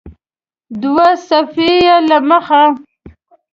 دوه صفحې یې له مخه